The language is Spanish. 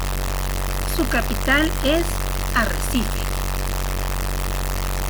Su capital es Arrecife.